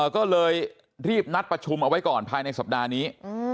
ก็เลยรีบนัดประชุมเอาไว้ก่อนภายในสัปดาห์นี้